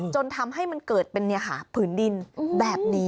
จนทำให้มันเกิดเป็นผืนดินแบบนี้